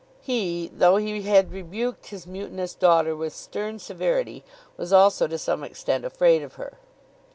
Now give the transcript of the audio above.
He, though he had rebuked his mutinous daughter with stern severity, was also to some extent afraid of her.